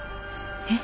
えっ？